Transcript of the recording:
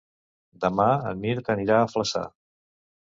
Demà en Mirt anirà a Flaçà.